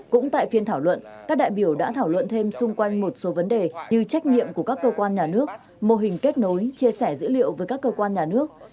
cũng tại phiên thảo luận các đại biểu đã thảo luận thêm xung quanh một số vấn đề như trách nhiệm của các cơ quan nhà nước mô hình kết nối chia sẻ dữ liệu với các cơ quan nhà nước